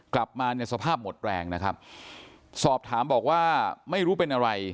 กลับมาเนี่ยสภาพหมดแรงนะครับสอบถามบอกว่าไม่รู้เป็นอะไร